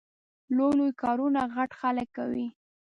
لوی لوی کارونه غټ خلګ کوي